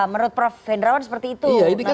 menurut prof hendrawan seperti itu